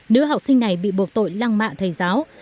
nữ học sinh này bị buộc tội lăng mạ thầy giáo